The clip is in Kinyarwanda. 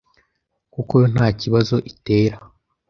kuko yo nta kibazo itera,